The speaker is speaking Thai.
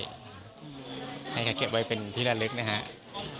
ในยังไงแค่เก็บไว้เป็นพิมพ์ละลึกนะครับ